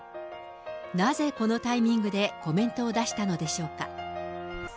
なぜ、このタイミングでコメントを出したのでしょうか。